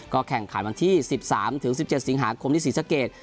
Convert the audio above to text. แข่งขันวันที่๑๓๑๗สิงหาคมที่ศรีสะเกด